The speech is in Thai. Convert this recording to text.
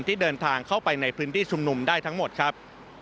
ที่เดินทางเข้าไปในพื้นที่ชุมนุมได้ทั้งหมดครับ